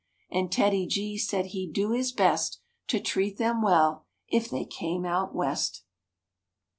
And TEDDY G said he'd do his best To treat them well if they came out West.